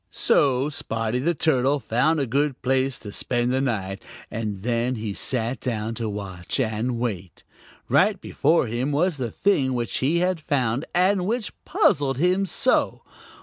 So Spotty the Turtle found a good place to spend the night, and then he sat down to watch and wait. Right before him was the thing which he had found and which puzzled him so.